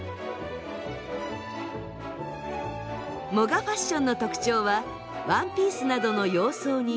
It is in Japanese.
モガファッションの特徴はワンピースなどの洋装に短く切った髪。